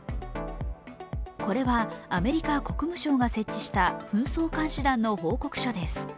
これはアメリカ国務省が設置した紛争監視団の報告書です。